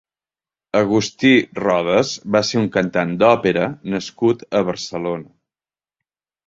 Agustí Rodas va ser un cantant d'òpera nascut a Barcelona.